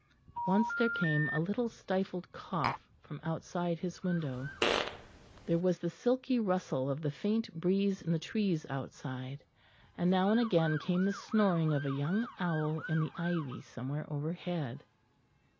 Once there came a little stifled cough from outside his window; there was the silky rustle of the faint breeze in the trees outside; and now and again came the snoring of a young owl in the ivy somewhere overhead.